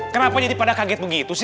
kenapa jadi pada kaget begitu sih